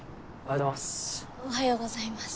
おはようございます。